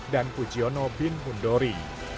dan kujiono bin mundori